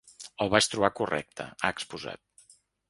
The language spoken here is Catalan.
El vaig trobar correcte, ha exposat.